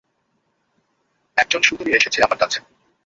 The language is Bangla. একজন সুন্দরী এসেছে আমার কাছে?